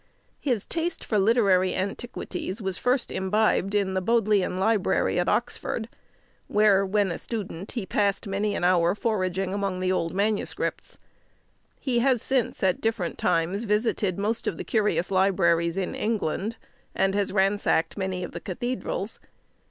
His taste for literary antiquities was first imbibed in the Bodleian Library at Oxford; where, when a student, he passed many an hour foraging among the old manuscripts. He has since, at different times, visited most of the curious libraries in England, and has ransacked many of the cathedrals.